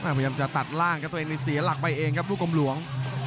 พยายามจะตัดล่างครับตัวเองนี่เสียหลักไปเองครับลูกกลมหลวง